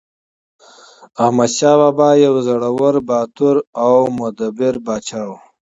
احمدشاه بابا یو زړور، باتور او مدبر پاچا و.